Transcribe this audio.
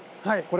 はい。